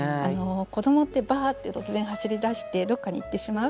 子どもってばって突然走りだしてどっかに行ってしまう。